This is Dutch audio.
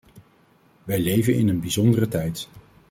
Wij leven in een bijzondere tijd.